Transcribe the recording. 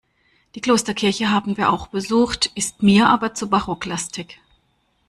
Die Klosterkirche haben wir auch besucht, ist mir aber zu barocklastig.